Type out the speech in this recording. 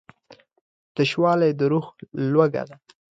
تشوالی د روح لوږه ده.